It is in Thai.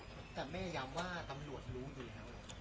แต่แม่ย้ำว่าตำรวจรู้อยู่แล้ว